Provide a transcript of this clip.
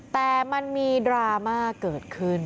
แต่มันมีดราม่าเกิดขึ้น